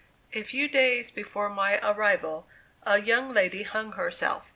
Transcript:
A few days before my arrival, a young lady hung herself.